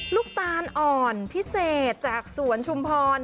ลูกตาลอ่อนพิเศษจากสวนชุมพร